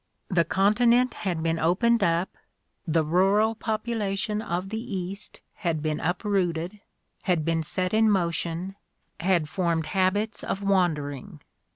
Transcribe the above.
The continent had been opened up, the rural population of the Bast had been uprooted, had been set in motion, had formed habits of wander 66 The Ordeal of Mark Twain ing.